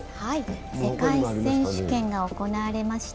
世界選手権が行われました。